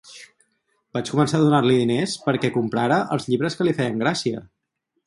Vaig començar a donar-li diners perquè comprara els llibres que li feien gràcia...